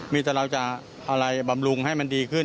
มีแต่เราจะอะไรบำรุงให้มันดีขึ้น